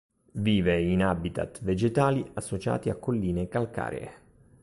Vive in habitat vegetali associati a colline calcaree.